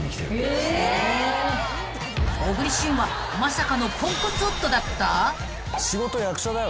［小栗旬はまさかのポンコツ夫だった！？］